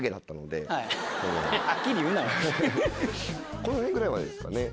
この辺ぐらいまでですかね